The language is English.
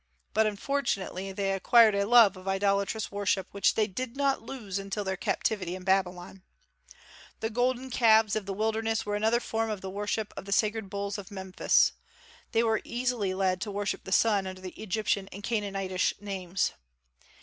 But unfortunately they acquired a love of idolatrous worship, which they did not lose until their captivity in Babylon. The golden calves of the wilderness were another form of the worship of the sacred bulls of Memphis. They were easily led to worship the sun under the Egyptian and Canaanitish names.